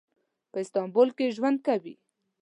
په استانبول کې ژوند کوي.